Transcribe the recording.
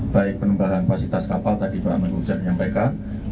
baik penambahan fasilitas kapal tadi pak menteri sudah menyampaikan